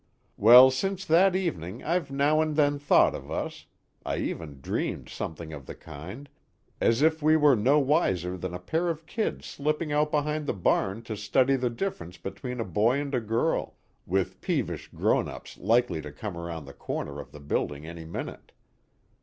Well, since that evening I've now and then thought of us I even dreamed something of the kind as if we were no wiser than a pair of kids slipping out behind the barn to study the difference between a boy and a girl with peevish grown ups likely to come around the corner of the building any minute.